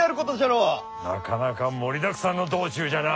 なかなか盛りだくさんの道中じゃな。